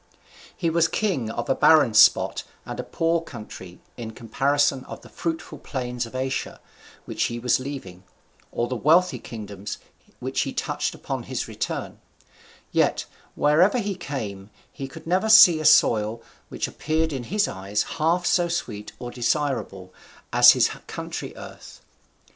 He was king of a barren spot, and a poor country in comparison of the fruitful plains of Asia, which he was leaving, or the wealthy kingdoms which he touched upon in his return; yet, wherever he came, he could never see a soil which appeared in his eyes half so sweet or desirable as his country earth.